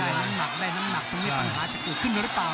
ได้น้ำหนักได้น้ำหนักตรงนี้ปัญหาจะขึ้นหรือเปล่า